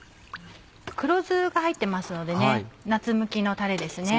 黒酢が入ってますので夏向きのタレですね。